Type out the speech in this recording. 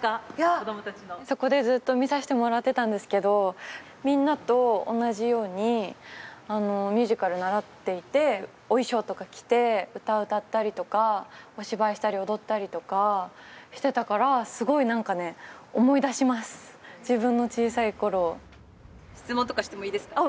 子供達のそこでずっと見さしてもらってたんですけどみんなと同じようにミュージカル習っていてお衣装とか着て歌歌ったりとかお芝居したり踊ったりとかしてたからすごい何かね思い出します自分の小さい頃をあっ